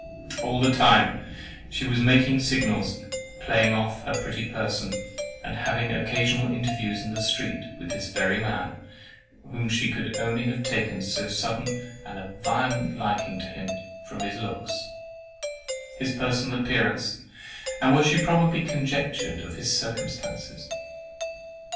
All the time, she was making signals, playing off her pretty person, and having occasional interviews in the street with this very man, whom she could only have taken so sudden and violent a liking to him from his looks, his personal appearance, and what she probably conjectured of his circumstances.